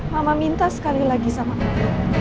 mama minta sekali lagi sama mama